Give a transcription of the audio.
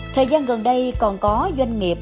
thời gian gần đây còn có doanh nghiệp